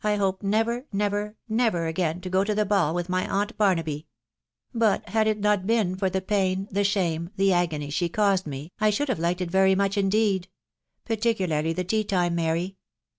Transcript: . J never, never again to go to a ball with my aunt But had it not been for the pain, the shine, the . agony rafe caused me, I should have liked it very smxoh indeed.,,.. „ .^particularly the tea time, Mary.